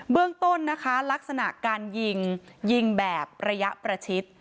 เรื่องต้นนะคะลักษณะการยิงยิงแบบระยะประชิด